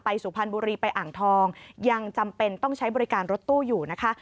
สุพรรณบุรีไปอ่างทองยังจำเป็นต้องใช้บริการรถตู้อยู่นะคะ